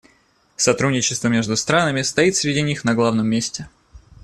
Сотрудничество между странами стоит среди них на главном месте.